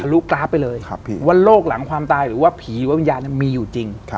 ลุกราฟไปเลยว่าโรคหลังความตายหรือว่าผีหรือว่าวิญญาณมีอยู่จริง